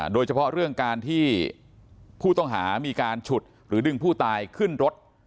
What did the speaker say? โดยเฉพาะเรื่องการที่ผู้ต้องหามีการฉุดหรือดึงผู้ตายขึ้นรถ